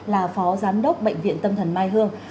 là phó giám đốc bệnh viện tâm thần mai hương